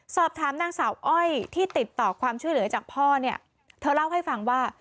สอบถามนางสาวอ้อยที่ติดต่อความช่วยเหลือจากพ่อเนี่ยเธอเล่าให้ฟังว่า